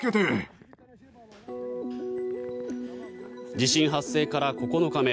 地震発生から９日目。